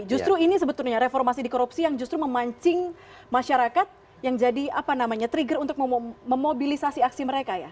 justru ini sebetulnya reformasi di korupsi yang justru memancing masyarakat yang jadi apa namanya trigger untuk memobilisasi aksi mereka ya